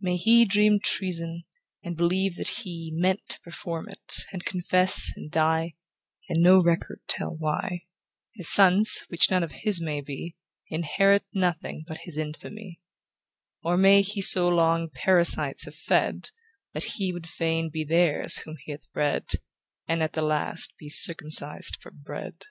May he dream treason, and believe that he Meant to perform it, and confesses, and die, And no record tell why ; His sons, which none of his may be, Inherit nothing but his infamy ; Or may he so long parasites have fed, That he would fain be theirs whom he hath bred, And at the last be circumcised for bread.